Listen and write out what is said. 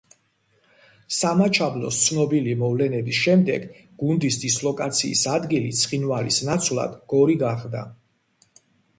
სამაჩაბლოს ცნობილი მოვლენების შემდეგ, გუნდის დისლოკაციის ადგილი ცხინვალის ნაცვლად, გორი გახდა.